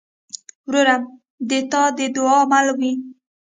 ورور د تا د دعا مل وي.